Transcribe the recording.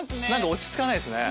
落ち着かないですね。